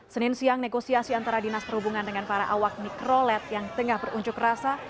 senin siang negosiasi antara dinas perhubungan dengan para awak mikrolet yang tengah berunjuk rasa